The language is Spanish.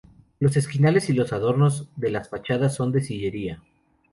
Los esquinales y los adornos de las fachadas son de sillería.